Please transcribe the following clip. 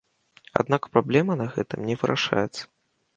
Аднак праблема на гэтым не вырашаецца.